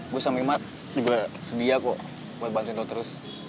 gue sama imad juga sedia kok buat bantuin lo terus